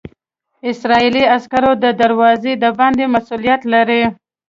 اسرائیلي عسکر د دروازې د باندې مسوولیت لري.